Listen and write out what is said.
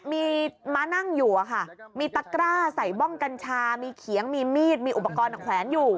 มีมานั่งอยู่อะค่ะมีตะกร้าใส่บ้องกัญชามีเขียงมีมีดมีอุปกรณ์แขวนอยู่